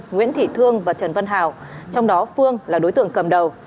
nguyễn thị thương và trần văn hào trong đó phương là đối tượng cầm đầu